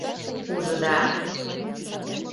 Ужыда?